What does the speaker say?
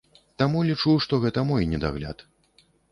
Таму лічу, што гэта мой недагляд.